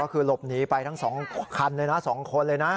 ก็คือหลบหนีไปทั้ง๒คันเลยนะ๒คนเลยนะ